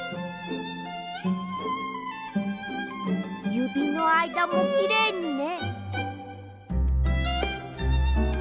ゆびのあいだもきれいにね！